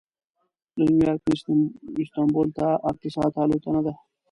له نیویارک نه استانبول ته اته ساعته الوتنه ده.